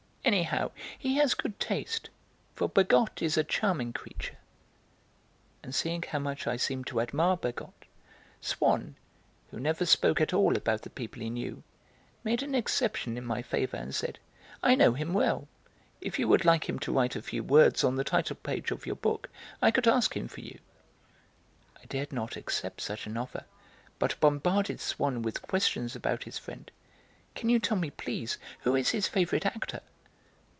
Anyhow he has good taste, for Bergotte is a charming creature." And seeing how much I seemed to admire Bergotte, Swann, who never spoke at all about the people he knew, made an exception in my favour and said: "I know him well; if you would like him to write a few words on the title page of your book I could ask him for you." I dared not accept such an offer, but bombarded Swann with questions about his friend. "Can you tell me, please, who is his favourite actor?"